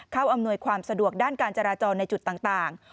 อำนวยความสะดวกด้านการจราจรในจุดต่าง